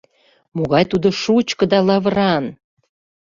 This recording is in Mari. Могай тудо шучко да лавыран!